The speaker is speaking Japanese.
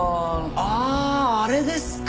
あああれですか。